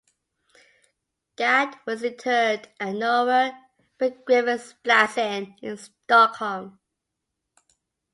Gadd was interred at Norra begravningsplatsen in Stockholm.